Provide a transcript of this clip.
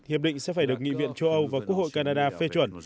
hiệp định sẽ phải được nghị viện châu âu và quốc hội canada phê chuẩn